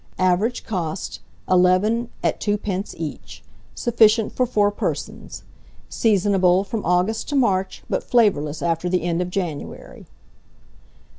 Average cost, 11/2d. each. Sufficient for 4 persons. Seasonable from August to March, but flavourless after the end of January.